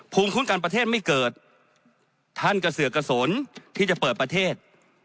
ภูมิคุ้มกันประเทศไม่เกิดท่านกระเสือกกระสนที่จะเปิดประเทศ